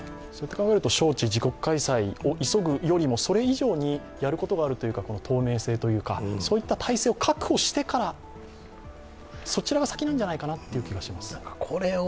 招致・自国開催を急ぐよりも、それ以上にやることがあるというか透明性というか、そういった体制を確保してから、そちらが先なんじゃないかなという気がします。